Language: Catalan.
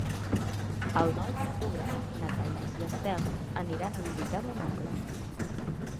El nou d'octubre na Thaís i en Telm aniran a visitar mon oncle.